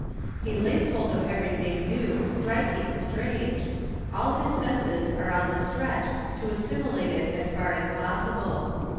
He lays hold of everything new, strik |_ ing, strange, all his senses are on the stretch to assimilate it as far as possible.